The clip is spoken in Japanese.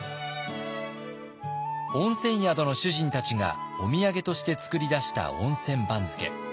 温泉宿の主人たちがお土産として作り出した温泉番付。